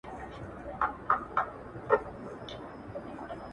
تر څو مجرم کس الله جل جلاله ته توبه وکړي.